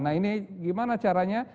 nah ini gimana caranya